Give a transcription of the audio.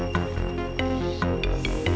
kita ke rumahnya